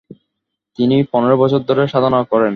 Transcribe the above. তিনি পনেরো বছর ধরে সাধনা করেন।